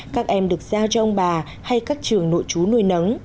các em được giao cho ông bà hay các trường nội chú nuôi nấng